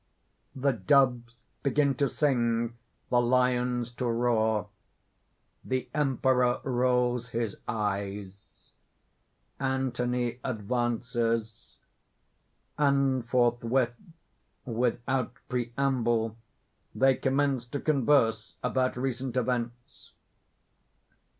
The doves begin to sing, the lions to roar. The Emperor rolls his eyes; Anthony advances; and forthwith, without preamble, they commence to converse about recent events.